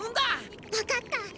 わかった！